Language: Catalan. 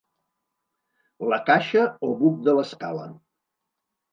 La caixa o buc de l'escala.